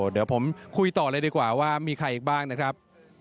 เดี๋ยวผมคุยต่อเลยดีกว่าว่ามีใครอีกบ้างนะครับ